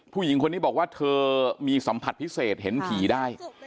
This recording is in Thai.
ผู้หญิงคนนี้บอกว่าเธอมีสัมผัสพิเศษเห็นผีได้